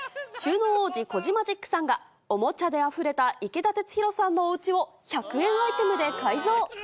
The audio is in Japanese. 収納王子、コジマジックさんがおもちゃであふれた池田鉄洋さんのおうちを１００円アイテムで改造。